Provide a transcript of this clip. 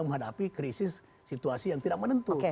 menghadapi krisis situasi yang tidak menentu